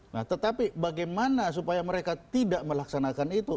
nah tetapi bagaimana supaya mereka tidak melaksanakan itu